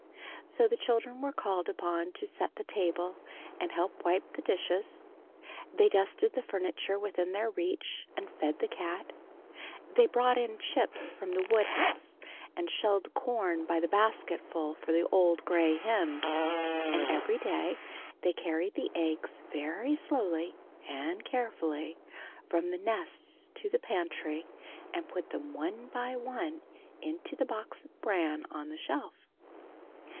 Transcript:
So the children were called upon to set the table and help wipe the dishes. They dusted the furniture within their reach and fed the cat. They brought in chips from the woodhouse and shelled corn by the basketful for the old gray hens. And every day they carried the eggs very slowly and carefully from the nests to the pantry and put them one by one into the box of bran on the shelf.